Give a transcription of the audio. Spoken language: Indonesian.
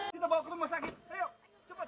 kita bawa ke rumah sakit ayo cepat